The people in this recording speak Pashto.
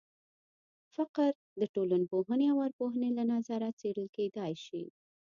فقر د ټولنپوهنې او ارواپوهنې له نظره څېړل کېدای شي.